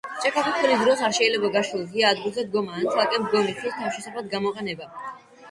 ჭექა-ქუხილის დროს არ შეიძლება გაშლილ, ღია ადგილზე დგომა ან ცალკე მდგომი ხის თავშესაფრად გამოყენება.